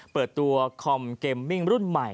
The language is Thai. เปิดตัวคอมเกมมิ่งรุ่นใหม่